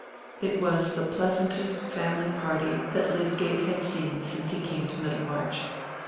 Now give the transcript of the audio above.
It was the pleasantest family party that Lydgate had seen since he came to Middlemarch.